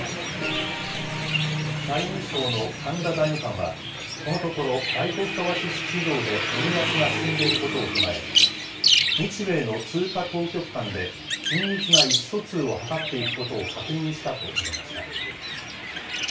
財務省の神田財務官は、このところ外国為替市場で円安が進んでいることを踏まえ、日米の通貨当局間で緊密な意思疎通を図っていくことを確認したと述べました。